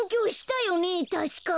たしか。